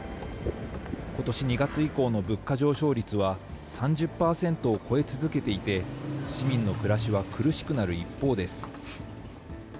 ことし２月以降の物価上昇率は３０％を超え続けていて、市民の暮らしは苦しくなる一方です。